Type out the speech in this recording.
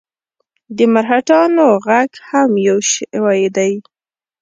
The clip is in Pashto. د مرهټیانو ږغ هم یو شوی دی.